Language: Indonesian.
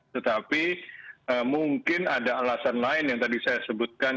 tetapi mungkin ada alasan lain yang tadi saya sebutkan